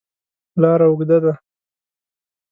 لاره اوږده ده.